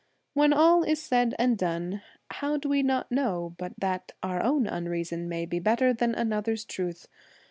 When all is said and done, how do we not know but that our own unreason may be better than another's truth